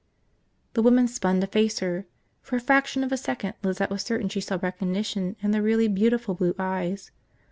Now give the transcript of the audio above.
The woman spun to face her. For a fraction of a second Lizette was certain she saw recognition in the really beautiful blue eyes.